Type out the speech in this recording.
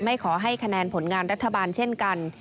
ขอให้คะแนนผลงานรัฐบาลเช่นกัน